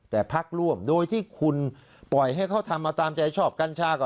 แต่พักร่วมโดยที่คุณปล่อยให้เขาทำมาตามใจชอบกัญชาก็